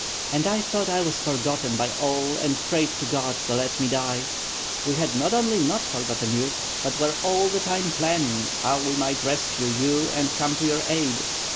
"And I thought I was forgotten by all and prayed to God to let me die." "We had not only not forgotten you, but were all the time planning how we might rescue you and come to your aid.